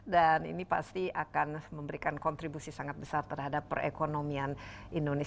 dan ini pasti akan memberikan kontribusi sangat besar terhadap perekonomian